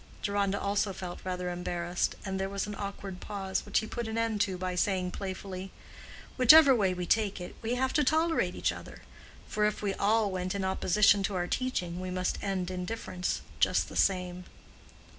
Deronda also felt rather embarrassed, and there was an awkward pause, which he put an end to by saying playfully, "Whichever way we take it, we have to tolerate each other; for if we all went in opposition to our teaching, we must end in difference, just the same."